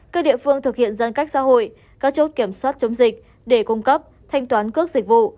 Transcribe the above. các địa phương thực hiện giãn cách xã hội các chốt kiểm soát chống dịch để cung cấp thanh toán cước dịch vụ